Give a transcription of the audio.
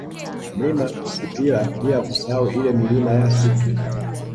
Mlima Sipila bila kusahau ile Milima ya Sitwe